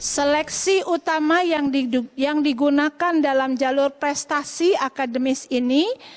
seleksi utama yang digunakan dalam jalur prestasi akademis ini